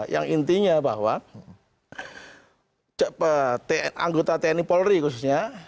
yang intinya bahwa anggota tni polri khususnya